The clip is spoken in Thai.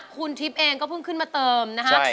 คุณทิพย์เองก็เพิ่งขึ้นมาเติมนะคะ